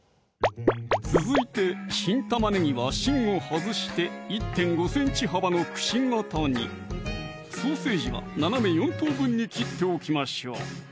続いて新玉ねぎは芯を外して１．５ｃｍ幅のくし形にソーセージは斜め４等分に切っておきましょう